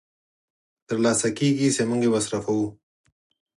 تر لاسه کېږي چې موږ یې مصرفوو